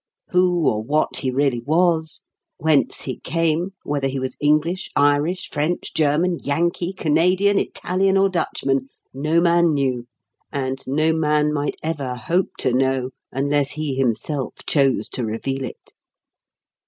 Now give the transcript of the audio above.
Who or what he really was, whence he came, whether he was English, Irish, French, German, Yankee, Canadian, Italian or Dutchman, no man knew and no man might ever hope to know unless he himself chose to reveal it.